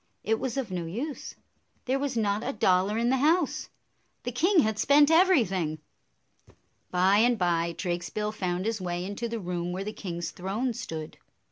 It was of no use. There was not a dollar in the house. The king had spent everything. By and by, Drakesbill found his way into the room where the king's throne stood.